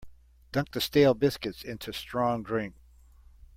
Dunk the stale biscuits into strong drink.